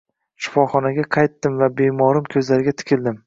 Shifoxonaga qaytdim va bemorim ko`zlariga tikildim